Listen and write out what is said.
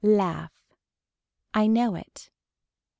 Laugh. I know it.